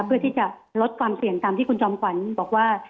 เพื่อที่จะลดความเสี่ยงตามที่คุณจอมขวัญบอกว่า